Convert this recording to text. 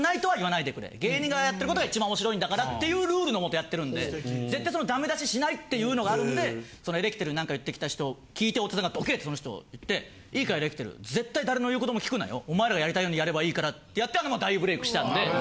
芸人がやってることが一番面白いんだからっていうルールのもとやってるんで絶対ダメ出ししないっていうのがあるんでエレキテルに何か言ってきた人聞いて太田さんがどけってその人言って「いいかエレキテル絶対誰の言うことも聞くなよ」。ってやって大ブレイクしたんで。